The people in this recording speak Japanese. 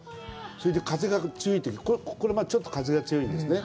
それで、風が強いとき、これはちょっと風が強いんですね。